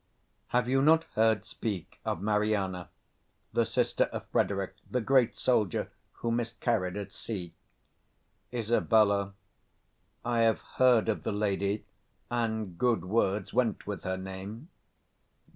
Have you not heard speak of Mariana, the sister of Frederick the 200 great soldier who miscarried at sea? Isab. I have heard of the lady, and good words went with her name.